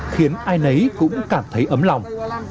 khiến ai nấy cũng cảm thấy ấm lòng